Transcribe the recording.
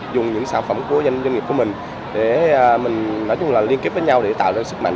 dùng những sản phẩm của doanh nghiệp của mình để mình nói chung là liên kết với nhau để tạo ra sức mạnh